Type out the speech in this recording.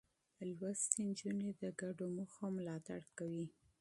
تعليم شوې نجونې د ګډو اهدافو ملاتړ کوي.